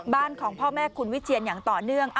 ของพ่อแม่คุณวิเชียนอย่างต่อเนื่อง